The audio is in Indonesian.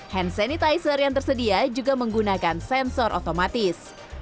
hand sanitizer yang tersedia juga menggunakan sensor otomatis